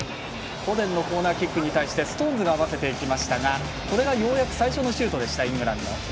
フォデンのコーナーキックに対してストーンズが合わせていきましたがこれが最初のシュートでしたイングランド。